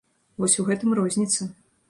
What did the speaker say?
Вось у гэтым розніца.